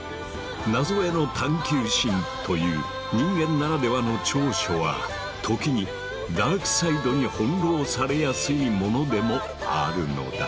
謎への探究心という人間ならではの長所は時にダークサイドに翻弄されやすいものでもあるのだ。